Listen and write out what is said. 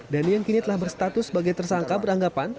dhani yang kini telah berstatus sebagai tersangka beranggapan